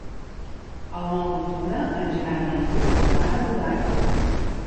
El nou d'octubre en Gerard i en Lluc van a Godall.